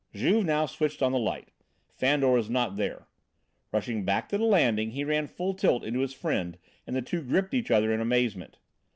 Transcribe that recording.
Juve now switched on the light. Fandor was not there. Rushing back to the landing he ran full tilt into his friend and the two gripped each other in amazement.